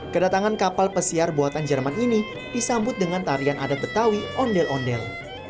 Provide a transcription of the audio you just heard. kedatangan kapal pesiar buatan jerman ini disambut dengan tarian adat betawi ondel ondel